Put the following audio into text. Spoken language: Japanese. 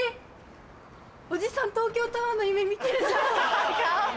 おじさん東京タワーの夢見てるじゃん。